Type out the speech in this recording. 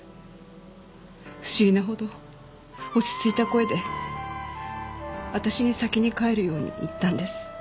不思議なほど落ち着いた声で私に先に帰るように言ったんです。